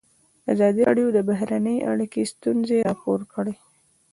ازادي راډیو د بهرنۍ اړیکې ستونزې راپور کړي.